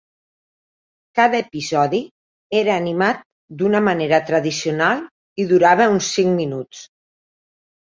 Cada episodi era animat d'una manera tradicional i durava uns cinc minuts.